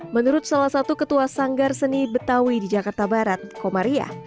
menurut salah satu ketua sanggar seni betawi di jakarta barat komaria